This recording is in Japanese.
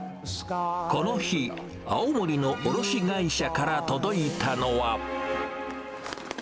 この日、青森の卸し会社から届いたのは。